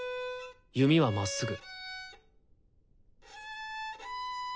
弓はまっすぐ。